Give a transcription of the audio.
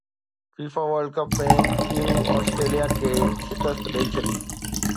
FIFA World Cup ۾ Peru Australia کي شڪست ڏئي ڇڏي